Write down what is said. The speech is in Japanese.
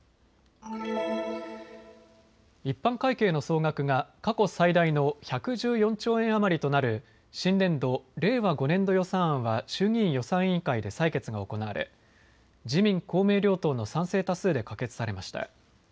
一般会計の総額が過去最大の１１４兆円余りとなる新年度令和５年度予算案は衆議院予算委員会で採決が行われ自民公明両党の賛成多数で可決されました。